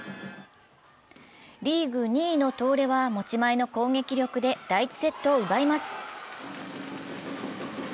リーグ２位の東レは持ち前の攻撃力で第１セットを奪います。